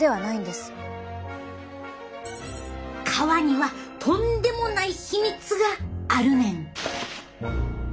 皮にはとんでもない秘密があるねん。